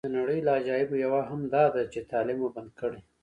د نړۍ له عجایبو یوه هم داده چې تعلیم مو بند کړی.